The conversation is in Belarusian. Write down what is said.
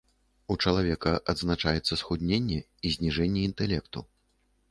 У чалавека адзначаецца схудненне і зніжэнне інтэлекту.